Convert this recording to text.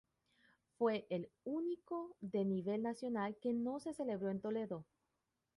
Fue el único de nivel nacional que no se celebró en Toledo.